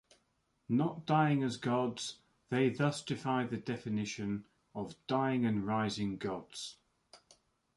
Not dying as gods, they thus defy the definition of "dying-and-rising-gods".